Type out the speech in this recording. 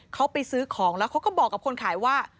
เขาไปซื้อของแล้วเขาก็บอกกับคนขายว่า